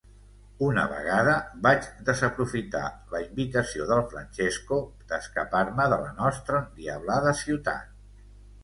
Una vegada vaig desaprofitar la invitació del Francesco d'escapar-me de la nostra endiablada ciutat.